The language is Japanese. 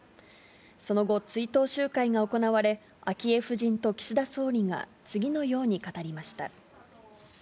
その後、追悼集会が行われ、昭恵夫人と岸田総理が次のように語りました。